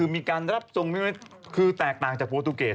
มีการรับทรงคือแตกต่างจากโปรตูเกต